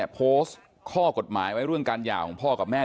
โพสต์ข้อกฎหมายไว้เรื่องการหย่าของพ่อกับแม่